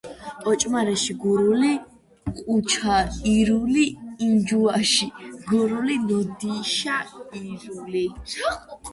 ოჭმარეში გურული – ჸუჩა ირული ონჯუაში გურული – ნოდიშა ირული.